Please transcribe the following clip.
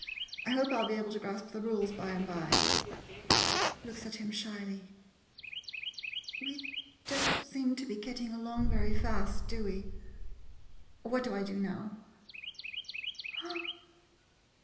I hope I '11 be able to grasp the rules by and by. [Looks at him slyly.] We don't seem to get along very fast, do we? What do I do now?